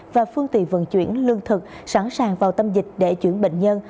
và phương tiện vận chuyển lương thực sẵn sàng vào tâm dịch để chuyển bệnh nhân